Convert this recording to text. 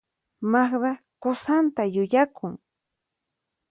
Magda qusanta yuyakun.